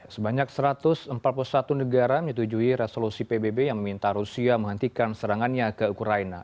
sebanyak satu ratus empat puluh satu negara menyetujui resolusi pbb yang meminta rusia menghentikan serangannya ke ukraina